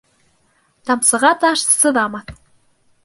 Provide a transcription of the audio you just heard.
Тамсыға таш сыҙамаҫ.